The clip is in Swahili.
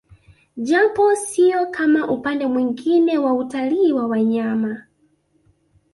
Japo sio kama upande mwingine wa utalii wa wanyama